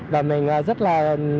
và mình rất là